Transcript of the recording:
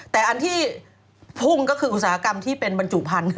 แต่อันที่พุ่งก็คืออุตสาหกรรมที่เป็นบรรจุพันธุ์